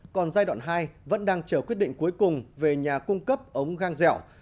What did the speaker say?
còn giai đoạn hai vẫn đang chờ quyết định cuối cùng về nhà cung cấp ống gang dẻo